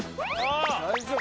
大丈夫？